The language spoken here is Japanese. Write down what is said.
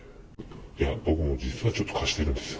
僕も実はちょっと、貸してるんですよ。